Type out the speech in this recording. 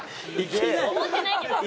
思ってないけどね。